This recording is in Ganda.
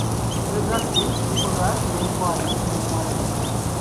Wegasse mu bikolwa eby'omukwano n'omuwala omulala?